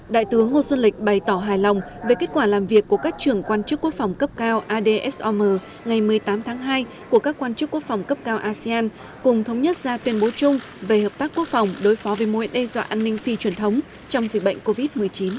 đại tướng ngô xuân lịch bày tỏ hài lòng về kết quả làm việc của các trưởng quan chức quốc phòng cấp cao adsom ngày một mươi tám tháng hai của các quan chức quốc phòng cấp cao asean cùng thống nhất ra tuyên bố chung về hợp tác quốc phòng đối phó với mối đe dọa an ninh phi truyền thống trong dịch bệnh covid một mươi chín